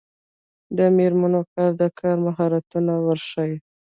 د میرمنو کار د کار مهارتونه ورښيي.